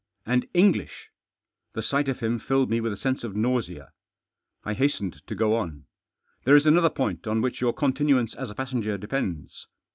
And English ! The sight of him filled me with a sense of nausea. I hastened to go on. " There is another point on which your continuance as a passenger depends.